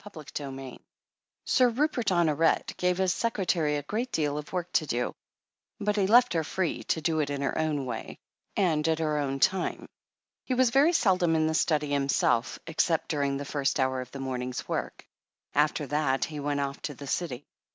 XVII Sir Rupert Honoret gave his secretary a great deal of work to do, but he left her free to do it in her own way, and at her own time. He was very seldom in the study himself, except during the first hour of the morn ing's work. After that, he went off to the City.